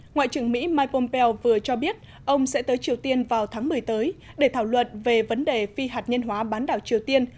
ngoại trưởng mỹ mike pompeo vừa cho biết ông sẽ tới triều tiên vào tháng một mươi tới để thảo luận về vấn đề phi hạt nhân hóa bán đảo triều tiên